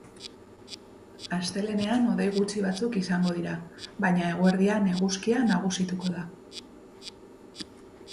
Astelehenean hodei gutxi batzuk izango dira, baina eguerdian eguzkia nagusituko da.